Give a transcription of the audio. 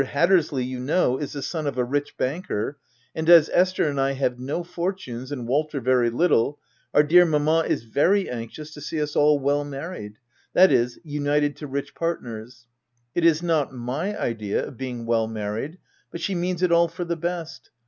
Hat tersley, you know, is the son of a rich banker, and as Esther and I have no fortunes and Wal ter very little, our dear mamma is very anxious to see us all well married, that is, united to rich partners — it is not my idea of being well married, but she means it all for the best.